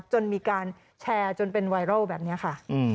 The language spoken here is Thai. จนมีการแชร์จนเป็นไวรัลแบบนี้ค่ะ